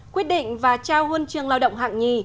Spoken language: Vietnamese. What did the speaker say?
quyết định và trao huân chương lao động hạng nhì